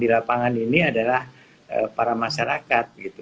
di lapangan ini adalah para masyarakat gitu